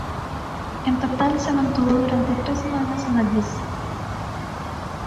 En total se mantuvo durante tres semanas en la lista.